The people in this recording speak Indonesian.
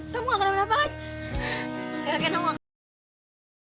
kamu akan nampak kan